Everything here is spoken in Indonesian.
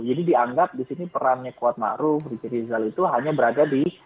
jadi dianggap di sini perannya kuat maruf bekir rizal itu hanya berada di